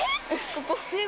ここ。